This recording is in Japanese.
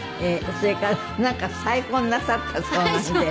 それからなんか再婚なさったそうなんで。